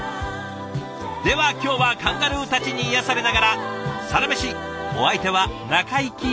では今日はカンガルーたちに癒やされながら「サラメシ」お相手は中井貴一でした。